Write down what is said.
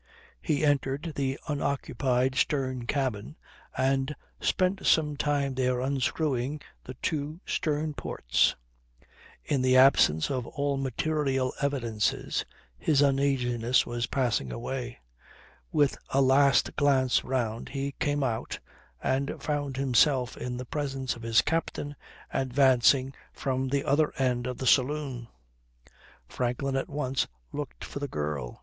He entered the unoccupied stern cabin and spent some time there unscrewing the two stern ports. In the absence of all material evidences his uneasiness was passing away. With a last glance round he came out and found himself in the presence of his captain advancing from the other end of the saloon. Franklin, at once, looked for the girl.